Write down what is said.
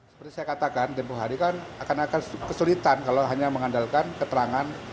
seperti saya katakan tempoh hari kan akan kesulitan kalau hanya mengandalkan keterangan